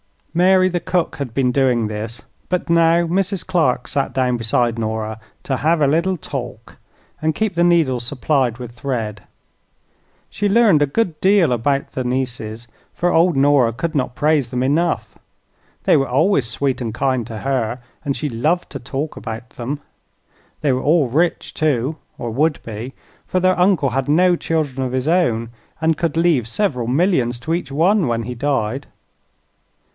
Mary the cook had been doing this, but now Mrs. Clark sat down beside Nora to "hev a little talk" and keep the needles supplied with thread. She learned a good deal about the nieces, for old Nora could not praise them enough. They were always sweet and kind to her and she loved to talk about them. They were all rich, too, or would be; for their uncle had no children of his own and could leave several millions to each one when he died.